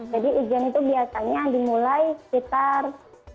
jadi ujian itu biasanya dimulai sekitar